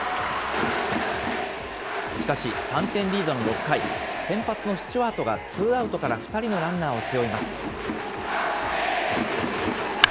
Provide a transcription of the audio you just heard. しかし、３点リードの６回、先発のスチュワートがツーアウトから２人のランナーを背負います。